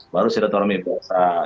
baru sudah terlalu mebasah